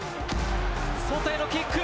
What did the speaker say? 外へのキック！